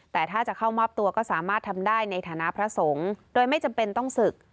แต่ถ้าจะเข้ามอบตัวก็สามารถทำได้ในฐานะพระสงฆ์โดยไม่จำเป็นต้องศึก